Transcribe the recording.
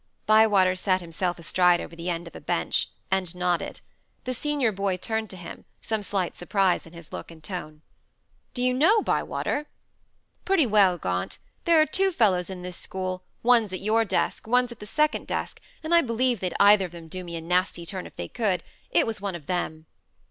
Bywater sat himself astride over the end of a bench, and nodded. The senior boy turned to him, some slight surprise in his look and tone. "Do you know, Bywater?" "Pretty well, Gaunt. There are two fellows in this school, one's at your desk, one's at the second desk, and I believe they'd either of them do me a nasty turn if they could. It was one of them."